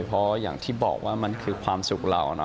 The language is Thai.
เพราะอย่างที่บอกว่ามันคือความสุขเรา